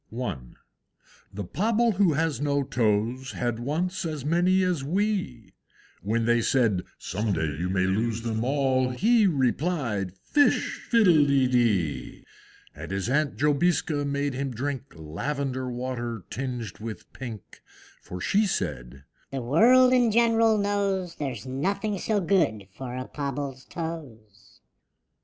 I. The Pobble who has no toes Had once as many as we; When they said, "Some day you may lose them all;" He replied, "Fish fiddle de dee!" And his Aunt Jobiska made him drink Lavender water tinged with pink; For she said, "The World in general knows There's nothing so good for a Pobble's toes!"